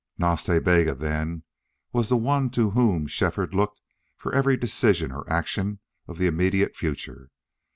Nas Ta Bega, then, was the one to whom Shefford looked for every decision or action of the immediate future.